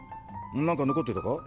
なんか残ってたか？